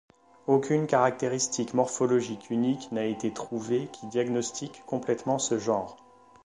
Aucune caractéristique morphologique unique n’a été trouvée qui diagnostique complètement ce genre.